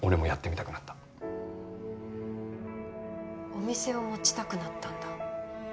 お店を持ちたくなったんだ？